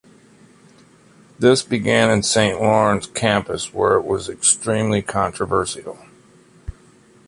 This began at the Saint-Lawrence campus, where it was extremely controversial.